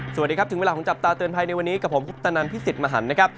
สวัสดีครับถึงเวลาของจับตาเตือนภัยในวันนี้กับผมคุปตนันพิสิทธิ์มหันนะครับ